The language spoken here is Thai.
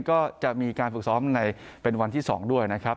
ก็จะมีการฝึกซ้อมในเป็นวันที่๒ด้วยนะครับ